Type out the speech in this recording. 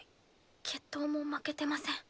決闘も負けてません。